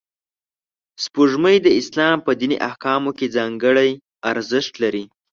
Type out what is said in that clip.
سپوږمۍ د اسلام په دیني احکامو کې ځانګړی ارزښت لري